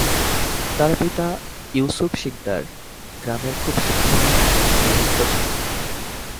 তার পিতা ইউসুফ শিকদার গ্রামের খুব সাধারণ এক গৃহস্থ ছিলেন।